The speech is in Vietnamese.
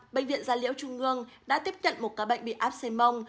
bệnh viện gia liễu trung ngương đã tiếp nhận một cá bệnh bị áp xe mông